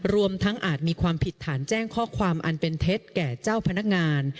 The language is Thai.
รวมทั้งอาจมีความผิดฐานแจ้งข้อความอันเป็นเท็จแก่เจ้าพนักงาน